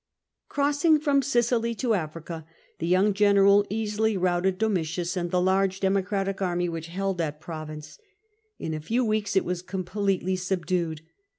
Crossing from Sicily to Africa, the young general easily routed Domitius and the large Democratic army which held that province. It a few weeks it was completely subdued.